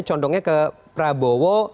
condongnya ke prabowo